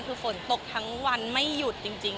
คือฝนตกทั้งวันไม่หยุดจริง